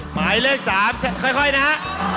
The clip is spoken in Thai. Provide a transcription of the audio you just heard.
หมายเลข๓ค่อยนะ